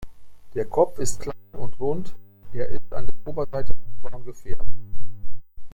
Der Kopf ist klein und rund, er ist an der Oberseite rotbraun gefärbt.